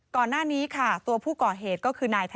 ก่อนหน้านี้ค่ะตัวผู้ก่อเหตุก็คือนาย